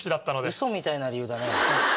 ウソみたいな理由だね。